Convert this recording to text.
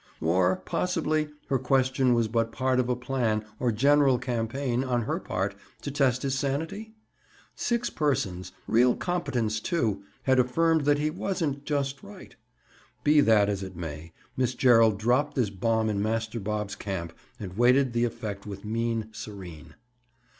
Or, possibly, her question was but part of a plan, or general campaign, on her part, to test his sanity? Six persons—real competents, too!—had affirmed that he wasn't "just right." Be that as it may, Miss Gerald dropped this bomb in Master Bob's camp and waited the effect with mien serene.